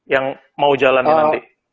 yang mau jalanin nanti